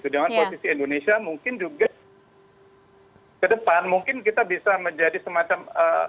dengan posisi indonesia mungkin juga ke depan mungkin kita bisa menjadi semacam